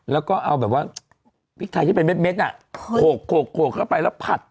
แล้วก็เอาแบบว่าพริกไทยที่เป็นเม็ดน่ะโขกเข้าไปแล้วผัด